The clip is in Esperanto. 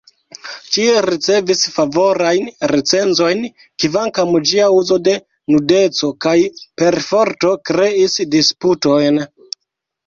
Ĝi ricevis favorajn recenzojn, kvankam ĝia uzo de nudeco kaj perforto kreis disputojn.